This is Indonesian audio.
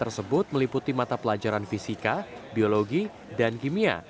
tersebut meliputi mata pelajaran fisika biologi dan kimia